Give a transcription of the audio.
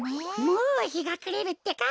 もうひがくれるってか。